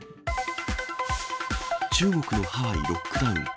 中国のハワイ、ロックダウン。